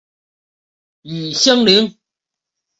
与相邻。